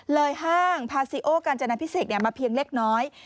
ห้างพาซิโอกาญจนาพิเศษมาเพียงเล็กน้อย